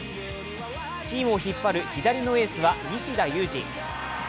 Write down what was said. チームを引っ張る左のエースは西田有志。